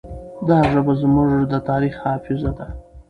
دا ژبه زموږ د تاریخ حافظه ده.